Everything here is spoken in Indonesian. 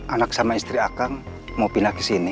anak sama istri akang mau pindah ke sini